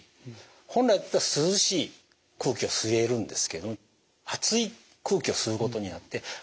本来だったら涼しい空気を吸えるんですけど熱い空気を吸うことになって体が冷えない。